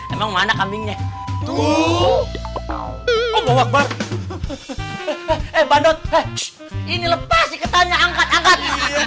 emang mana kambingnya tuh om akbar bandut ini lepas iketannya angkat angkat